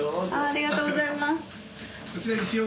ありがとうございます。